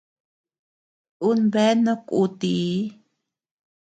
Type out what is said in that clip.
Un bea no kútii.